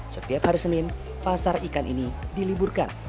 setiap hari senin pasar ikan ini diliburkan